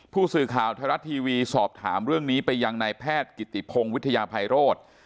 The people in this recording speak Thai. ผู้สื่อข่าวไทยรัฐทีวีสอบถามเรื่องนี้ไปยังนายแพทย์กิติพงศ์วิทยาภัยโรธ